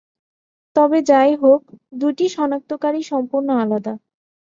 তবে যাইহোক, দুটি শনাক্তকারী সম্পূর্ণ আলাদা।